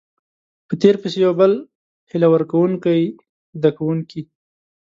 په تير پسې يو بل هيله ورکوونکۍ زده کوونکي